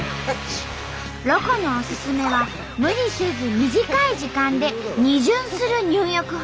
ロコのおすすめは無理せず短い時間で２巡する入浴法。